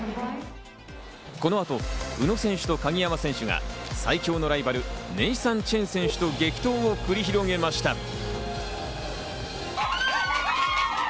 この後、宇野選手と鍵山選手が最強のライバル、ネイサン・チェン選手と激闘を繰り広げました。